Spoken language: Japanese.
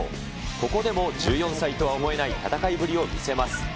ここでも１４歳とは思えない戦いぶりを見せます。